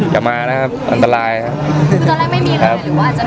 อย่ามานะครับอันตรายครับ